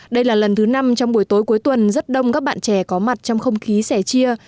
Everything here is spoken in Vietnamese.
đây là lần thứ năm trong buổi tối cuối tuần rất đông các bạn trẻ có mặt trong không khí sẻ chia